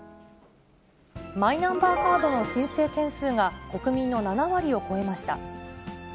マイナンバーカードの申請件数が、国民の７割を超えました。